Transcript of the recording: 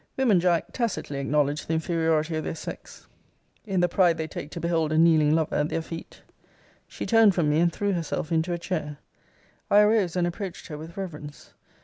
Women, Jack, tacitly acknowledge the inferiority of their sex, in the pride they take to behold a kneeling lover at their feet. She turned from me, and threw herself into a chair. I arose and approached her with reverence.